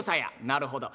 「なるほど。